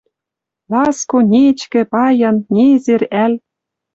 Ласко, нечкӹ, паян, незер ӓль